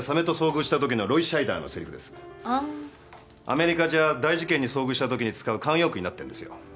アメリカじゃ大事件に遭遇したときに使う慣用句になってんですよ。